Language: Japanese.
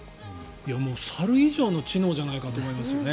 猿以上の知能じゃないかと思いますよね。